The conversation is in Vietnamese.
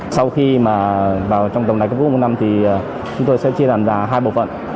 sau khi vào trong tổng đài cấp cứu một trăm một mươi năm thì chúng tôi sẽ chia thành ra hai bộ phận